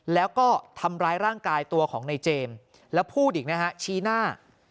แล้วก็ทำร้ายร่างกายตัวของในเจมส์แล้วพูดอีกนะฮะชี้หน้า